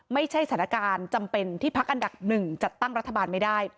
ไม่ใช่สถานการณ์จำเป็นที่พักอันดับหนึ่งจัดตั้งรัฐบาลไม่ได้